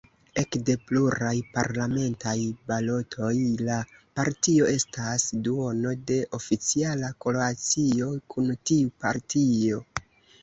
Ekde pluraj parlamentaj balotoj la partio estas duono de oficiala koalicio kun tiu partio.